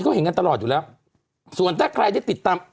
เขาเห็นกันตลอดอยู่แล้วส่วนถ้าใครได้ติดตาม